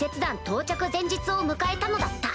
到着前日を迎えたのだった